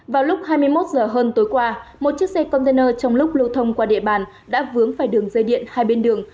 vào lúc hai mươi một h hơn tối qua một chiếc xe container trong lúc lưu thông qua địa bàn đã vướng phải đường dây điện hai bên đường